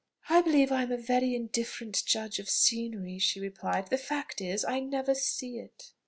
"I believe I am a very indifferent judge of scenery," she replied. "The fact is, I never see it."